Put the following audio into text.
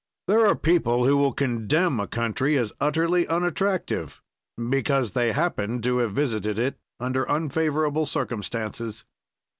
"There are people who will condemn a country as utterly unattractive, because they happened to have visited it under unfavorable circumstances.